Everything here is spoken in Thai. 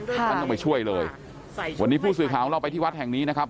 ท่านต้องไปช่วยเลยวันนี้ผู้สื่อข่าวของเราไปที่วัดแห่งนี้นะครับ